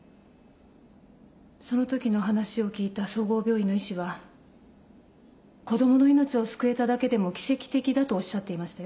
そのときの話を聞いた総合病院の医師は子供の命を救えただけでも奇跡的だとおっしゃっていましたよ。